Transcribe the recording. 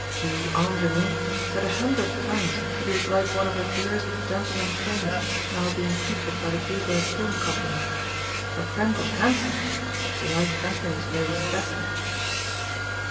The "anjenou" said a hundred times that he was like one of her dearest "gentlemen friends" now being featured by the Jewbird Film company. Her friend was handsome but she liked Anthony's nose better.